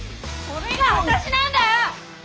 これが私なんだよ！